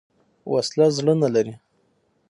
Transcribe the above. وسله زړه نه لري